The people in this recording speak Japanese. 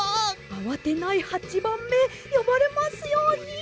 あわてない八番目よばれますように。